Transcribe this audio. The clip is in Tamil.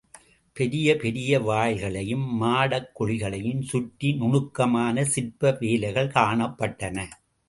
பெரிய பெரிய வாயில்களையும், மாடக் குழிகளையும் சுற்றி நுணுக்கமான சிற்ப வேலைகள் காணப்பட்டன.